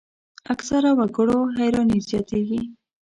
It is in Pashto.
اکثرو وګړو حیراني زیاتېږي.